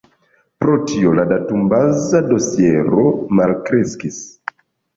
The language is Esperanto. Pro tio la datumbaza dosiero malkreskis.